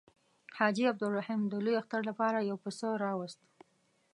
حاجي عبدالرحیم د لوی اختر لپاره یو پسه راووست.